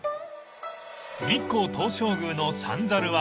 ［日光東照宮の三猿は］